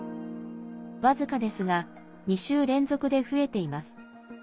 僅かですが２週連続で増えています。